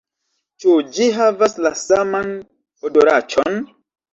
- Ĉu ĝi havas la saman odoraĉon?